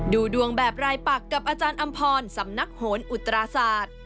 ดูดวงแบบรายปักกับอาจารย์อำพรสำนักโหนอุตราศาสตร์